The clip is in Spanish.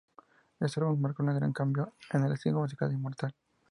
Este álbum marcó un gran cambio en el estilo musical de Immortal.